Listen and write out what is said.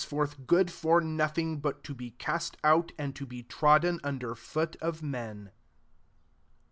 forth good for nothing, but to he cast out, and to be trodden un der foot of men.